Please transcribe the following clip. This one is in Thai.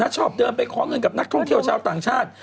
ชอบเดินไปขอเงินกับนักท่องเที่ยวชาวต่างชาติ